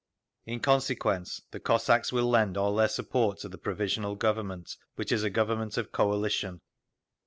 In consequence, the Cossacks will lend all their support to the Provisional Government, which is a government of coalition.